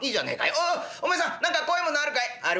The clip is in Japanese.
「おっお前さん何か怖いものあるかい？」。